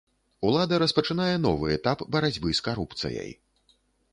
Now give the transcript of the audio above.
Улада распачынае новы этап барацьбы з карупцыяй.